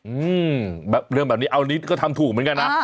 อืมแบบเรื่องแบบนี้เอานิดก็ทำถูกเหมือนกันนะ